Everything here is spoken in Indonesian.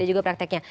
ini juga prakteknya